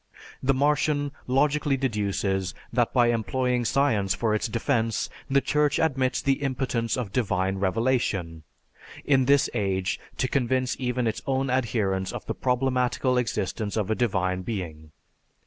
The Martian logically deduces that by employing science for its defense, the Church admits the impotence of "divine revelation," in this age, to convince even its own adherents of the problematical existence of a divine being.